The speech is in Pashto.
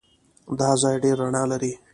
دا ځای ډېر رڼا لري.